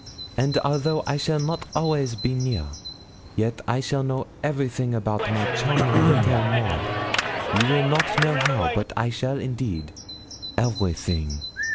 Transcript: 'And although I shall not be always near, yet I shall know everything about my charming little Maud; you will not know how, but I shall indeed, everything.